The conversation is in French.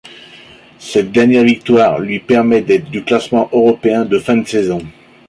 Cette dernière victoire lui permet d'être du classement européen de fin de saison.